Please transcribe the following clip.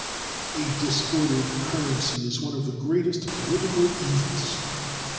A disordered currency is one of the greatest political evils.